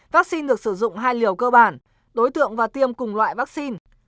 vaccine được sử dụng hai liều cơ bản đối tượng và tiêm cùng loại vaccine